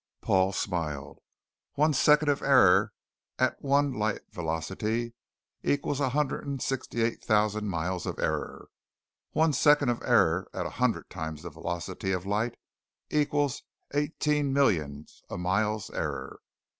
Paul smiled. "One second of error at one light velocity equals a hundred and eighty six thousand miles of error. One second of error at a hundred times the velocity of light equals eighteen millions of miles error.